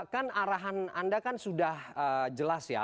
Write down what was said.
kan arahan anda kan sudah jelas ya